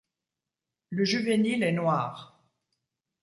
Le juvénile est noir.